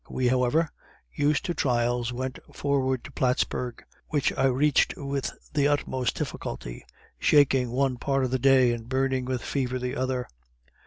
We however, used to trials, went forward to Plattsburg which I reached with the utmost difficulty, shaking one part of the day, and burning with fever the other.